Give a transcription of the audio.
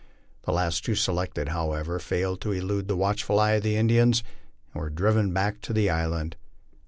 The last two selected, however, failed to elude the watchful eyes of the Indians, and were driven back to the island.